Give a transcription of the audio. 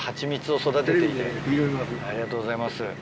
ありがとうございます。